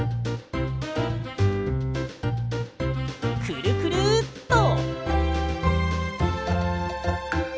くるくるっと。